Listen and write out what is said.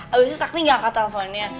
abis itu sakti gak angkat teleponnya